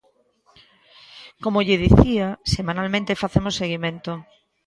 Como lle dicía, semanalmente facemos seguimento.